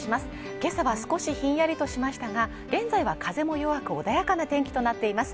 今朝は少しひんやりとしましたが、現在は風も弱く穏やかな天気となっています。